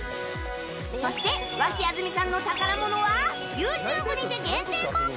そして和氣あず未さんの宝物は ＹｏｕＴｕｂｅ にて限定公開！